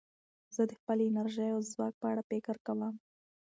زه د خپلې انرژۍ او ځواک په اړه فکر کوم.